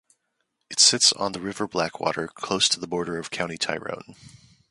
It sits on the River Blackwater, close to the border with County Tyrone.